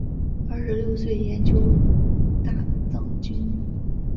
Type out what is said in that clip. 二十六岁研究大藏经。